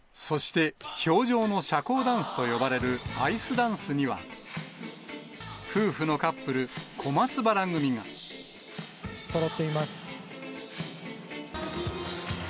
そして、氷上の社交ダンスと呼ばれるアイスダンスには、夫婦のカップル、そろっています。